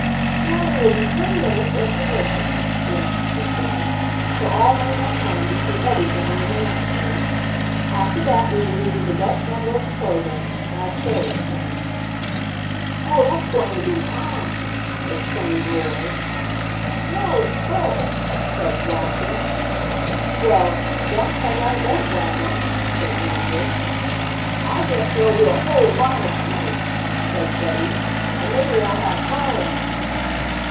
"Now there will be ten minutes' intermission," the announcer said, "so all may have time to see everything in the menagerie. "After that we will give you the best number of the programme, our chariot race." "Oh, that's going to be Tom!" exclaimed Roy. "No, it's Bert," said Flossie. "Well, Jack has our goat wagon," said Mildred. "I guess there'll be a whole lot in the race," said Freddie, "and maybe they'll have firemen."